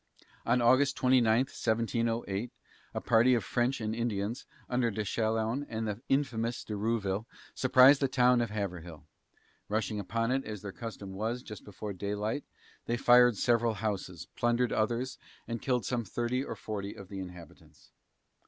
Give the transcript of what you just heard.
On August 29, 1708, a party of French and Indians, under De Chaillons and the infamous De Rouville, surprised the town of Haverhill. Rushing upon it, as their custom was, just before daylight, they fired several houses, plundered others, and killed some thirty or forty of the inhabitants.